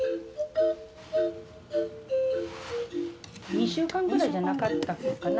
２週間ぐらいじゃなかったかな。